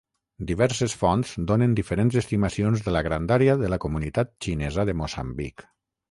Diverses fonts donen diferents estimacions de la grandària de la comunitat xinesa de Moçambic.